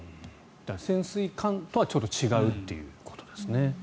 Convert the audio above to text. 潜水艦とはちょっと違うということですね。